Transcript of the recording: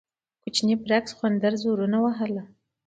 کوچني برګ سخوندر زورونه وهل.